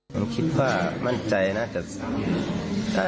ผมคิดว่ามั่นใจน่าจะ